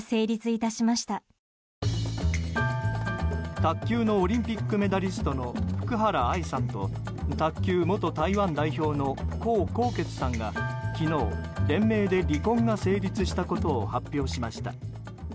卓球のオリンピックメダリストの福原愛さんと卓球元台湾代表の江宏傑さんが昨日、連名で離婚が成立したことを発表しました。